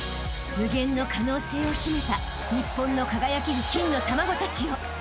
［無限の可能性を秘めた日本の輝ける金の卵たちよ］